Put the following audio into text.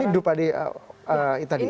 ini drupadipas traharan